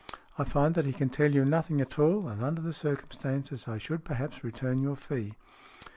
I find that he can tell you nothing at all, and under the circumstances, I should perhaps return your fee."